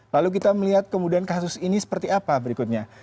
lalu kita melihat kemudian kasus ini seperti apa berikutnya